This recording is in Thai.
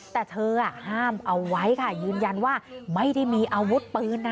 แต่เธอห้ามเอาไว้ค่ะยืนยันว่าไม่ได้มีอาวุธปืนนะ